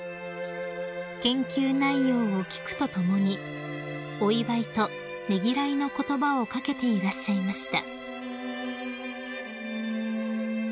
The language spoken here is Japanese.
［研究内容を聞くとともにお祝いとねぎらいの言葉を掛けていらっしゃいました］